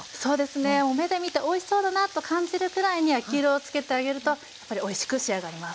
目で見ておいしそうだなと感じるくらいに焼き色をつけてあげるとやっぱりおいしく仕上がります。